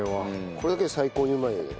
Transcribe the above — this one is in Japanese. これだけで最高にうまいよね。